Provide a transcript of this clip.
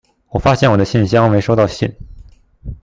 我發現我的信箱沒收到信